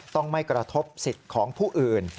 ต้องไม่กระทบสิทธิ์ของผู้อื่น